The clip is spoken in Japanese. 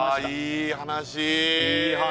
いい話！